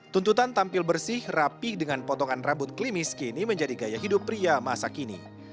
tuntutan tampil bersih rapi dengan potongan rambut klimis kini menjadi gaya hidup pria masa kini